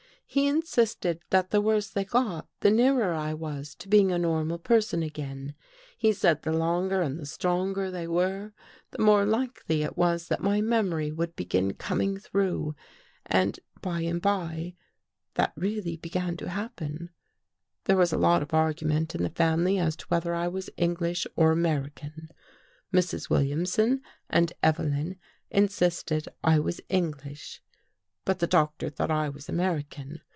He insisted that the worse they got, the nearer I was to being a normal person again. He said the longer and the stronger they were, the more likely it was that the memory would begin coming through. And by and by that really began to happen. " There was a lot of argument in the family as to whether I was English or American. Mrs. Wil liamson and Evelyn insisted I was English, but the Doctor thought I was American.